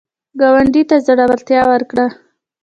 ګاونډي ته زړورتیا ورکړه